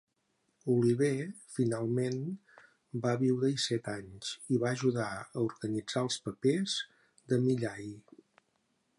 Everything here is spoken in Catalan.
Oliver, finalment, va viure-hi set anys i va ajudar a organitzar els papers de Millay.